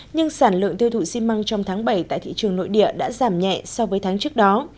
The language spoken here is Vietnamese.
nhưng sản lượng tiêu thụ xi măng trong tháng bảy tại thị trường nội địa đã giảm nhẹ so với tháng trước đó